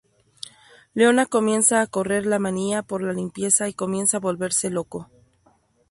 Leona comienza a correr la manía por la limpieza y comienza a volverse loco.